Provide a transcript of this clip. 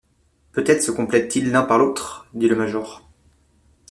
Peut-être se complètent-ils l’un par l’autre? dit le major.